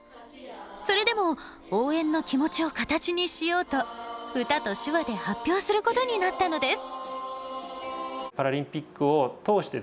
それでも応援の気持ちを形にしようと歌と手話で発表することになったのです。